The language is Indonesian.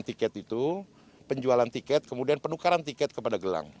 tiket itu penjualan tiket kemudian penukaran tiket kepada gelang